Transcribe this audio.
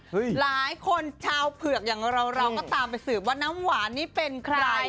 หลายคนชาวเผือกอย่างเราเราก็ตามไปสืบว่าน้ำหวานนี่เป็นใคร